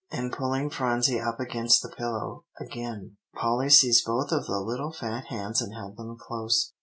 And pulling Phronsie up against the pillow again, Polly seized both of the little fat hands and held them close.